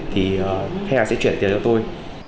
thì khách hàng sẽ chuyển tiền cho tôi